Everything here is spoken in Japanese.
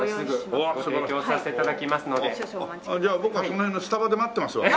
じゃあ僕はその辺のスタバで待ってますわ。